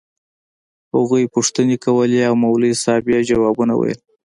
هغوى پوښتنې کولې او مولوي صاحب يې ځوابونه ويل.